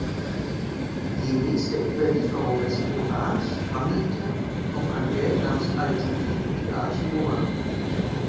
Gemäß der Überlieferung des Korans strandete auf einem Berg namens al-Dschudi die Arche Noah.